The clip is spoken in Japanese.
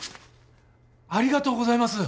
ありがとうございます。